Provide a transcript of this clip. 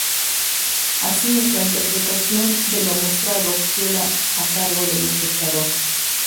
Así, la interpretación de lo mostrado queda a cargo del espectador.